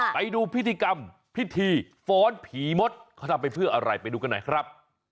ไปดูพิธีกรรมพิธีฟ้อนผีมดเขาทำไปเพื่ออะไรไปดูกันหน่อยครับ